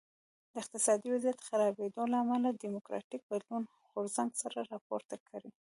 د اقتصادي وضعیت خرابېدو له امله د ډیموکراټیک بدلون غورځنګ سر راپورته کړ.